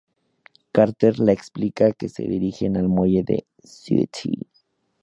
Carter le explica que se dirigen al muelle de St.